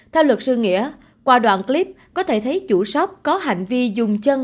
theo luật sư nghĩa qua đoạn clip có thể thấy chủ shop có hành vi dùng chân